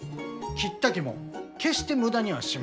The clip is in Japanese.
切った木も決して無駄にはしません。